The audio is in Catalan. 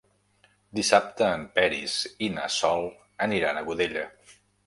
Dissabte en Peris i na Sol aniran a Godella.